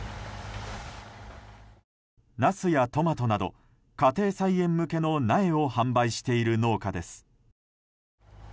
ナスやトマトなど家庭菜園向けの苗を販売している農家です。